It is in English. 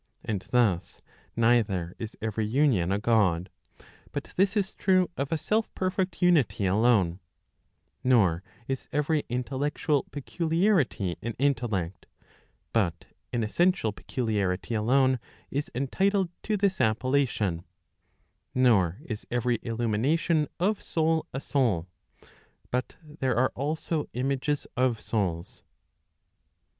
And thus, neither is every union a God, but this is true of a self perfect unity alone, nor is every intellectual peculiarity an intellect, but an essential peculiarity alone [is entitled to this appellation], nor is every illumination of soul a soul, but there are also images of souls.